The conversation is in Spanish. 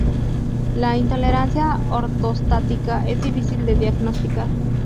La intolerancia ortostática es difícil de diagnosticar.